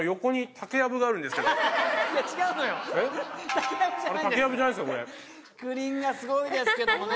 竹林がすごいですけどもね。